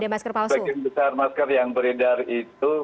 masker yang beredar itu